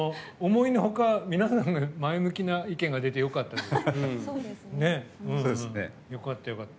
思いのほか皆さんが前向きな意見が出てよかったです。